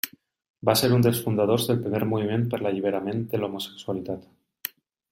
Va ser un dels fundadors del primer moviment per l'alliberament de l'homosexualitat.